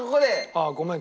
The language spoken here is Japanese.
ああごめん。